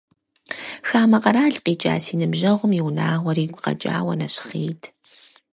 Хамэ къэрал къикӏа си ныбжьэгъум и унагъуэр игу къэкӏауэ нэщхъейт…